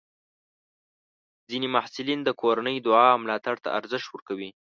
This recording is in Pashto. ځینې محصلین د کورنۍ دعا او ملاتړ ته ارزښت ورکوي.